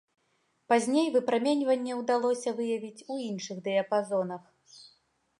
Пазней выпраменьванне ўдалося выявіць у іншых дыяпазонах.